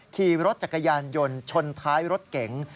ขี่รถจักรยานยนต์ชนท้ายรถเก๋ง